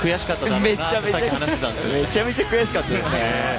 めちゃめちゃ悔しかったですね。